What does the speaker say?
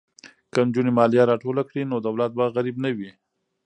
که نجونې مالیه راټوله کړي نو دولت به غریب نه وي.